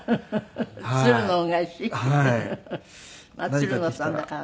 つるのさんだからね。